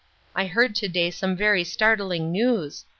I heard to day some very startling news.